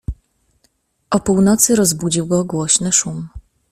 "O północy rozbudził go głośny szum."